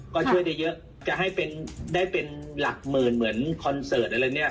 ก็ช่วยได้เยอะจะให้เป็นได้เป็นหลักหมื่นเหมือนคอนเสิร์ตอะไรเนี่ย